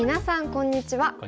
こんにちは。